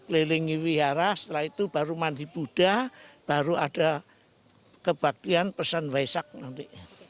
kelilingi wihara setelah itu baru mandi buddha baru ada kebaktian pesan waisak nanti